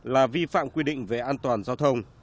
là vi phạm quy định về an toàn giao thông